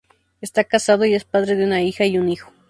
Está casado y es padre de una hija y un hijo.